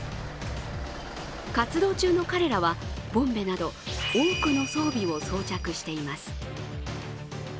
活動中の彼らは、ボンベなど多くの装備を装着しています。